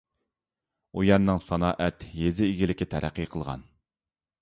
ئۇ يەرنىڭ سانائەت، يېزا ئىگىلىكى تەرەققىي قىلغان.